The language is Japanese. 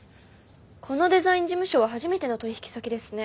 このデザイン事務所は初めての取引先ですね。